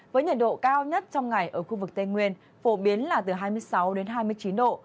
với nhiệt độ cao nhất trong ngày ở khu vực tây nguyên phổ biến là từ hai mươi sáu đến hai mươi chín độ